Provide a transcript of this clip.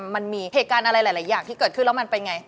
มันมีเหตุการณ์อะไรหลายอย่างที่เกิดขึ้นแล้วมันเป็นไง